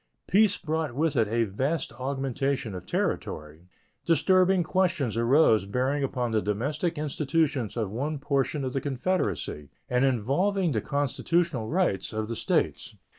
Peace brought with it a vast augmentation of territory. Disturbing questions arose bearing upon the domestic institutions of one portion of the Confederacy and involving the constitutional rights of the States.